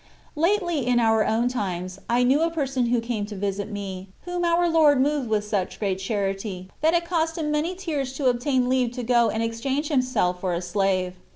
Lately, in our own times, I knew a person who came to visit me, whom our Lord moved with such great charity, that it cost him many tears to obtain leave to go and exchange himself for a slave.